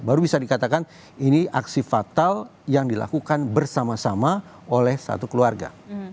baru bisa dikatakan ini aksi fatal yang dilakukan bersama sama oleh satu keluarga